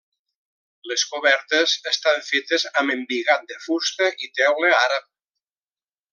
Les cobertes estan fetes amb embigat de fusta i teula àrab.